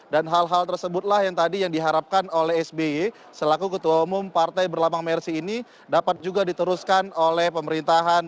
dan hal hal tersebutlah yang tadi yang diharapkan oleh sby selaku ketua umum partai berlambang mersi ini dapat juga diteruskan oleh pemerintahan